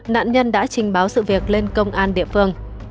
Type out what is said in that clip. nạn nhân đã trình báo sự việc lên công an địa phương